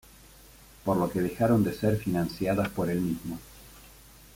Por lo que dejaron de ser financiadas por el mismo.